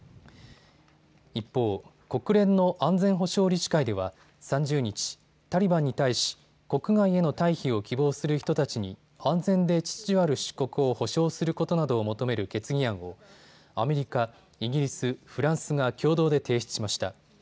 一方、国連の安全保障理事会では３０日、タリバンに対し国外への退避を希望する人たちに安全で秩序ある出国を保証することなどを求める決議案をアメリカ、イギリス、フランスが共同で提出しました。